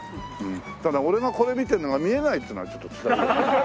ただ俺がこれ見てるのが見えないっていうのがちょっと。